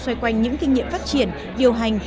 xoay quanh những kinh nghiệm phát triển điều hành